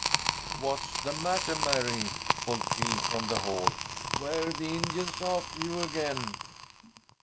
"What's the matter, Mary?" called Phil from the hall. "Were the Indians after you again?"